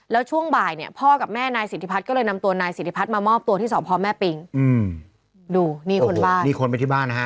แล้วก็มีบางส่วนทีเค้าเป็นของเขาเอง